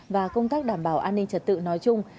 và công tác đảm bảo an ninh trật tự nói chung